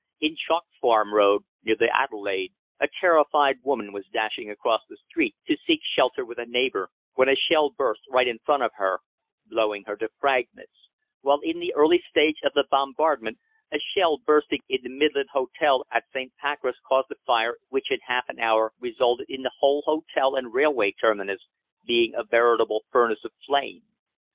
In Chalk Farm Road, near the Adelaide, a terrified woman was dashing across the street to seek shelter with a neighbour, when a shell burst right in front of her, blowing her to fragments; while in the early stage of the bombardment a shell bursting in the Midland Hotel at St. Pancras caused a fire which in half an hour resulted in the whole hotel and railway terminus being a veritable furnace of flame.